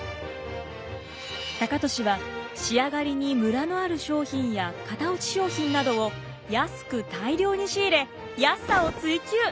高利は仕上がりにムラのある商品や型落ち商品などを安く大量に仕入れ安さを追求！